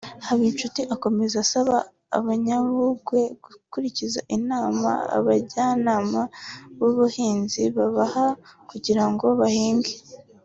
Habinshuti akomeza asaba Abanyabungwe gukurikiza inama abajyanama b’ubuhinzi babaha kugira ngo bahinge